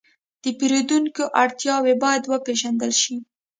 د پیرودونکو اړتیاوې باید وپېژندل شي.